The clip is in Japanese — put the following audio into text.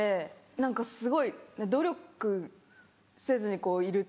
何かすごい努力せずにいるって。